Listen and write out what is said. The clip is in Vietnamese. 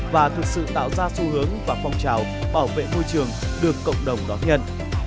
và thực sự tạo ra xu hướng và phong trào bảo vệ môi trường được cộng đồng đón nhận